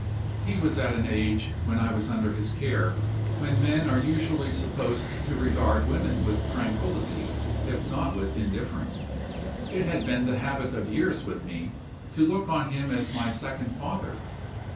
"He was at an age (when I was under his care) when men are usually supposed to regard women with tranquillity, if not with indifference. It had been the habit of years with me to look on him as my second father.